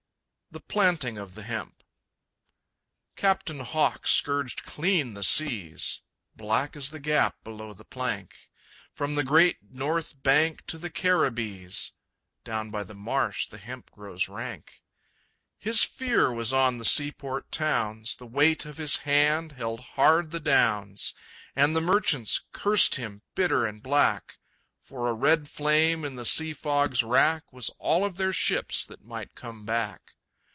The Planting of the Hemp. Captain Hawk scourged clean the seas (Black is the gap below the plank) From the Great North Bank to the Caribbees (Down by the marsh the hemp grows rank). His fear was on the seaport towns, The weight of his hand held hard the downs. And the merchants cursed him, bitter and black, For a red flame in the sea fog's wrack Was all of their ships that might come back.